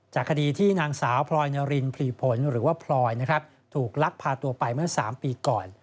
จากคดีนางสาวพลอยนรินภีรพลอยถูกลักพาตัวไปเมื่อ๓ปีก่อน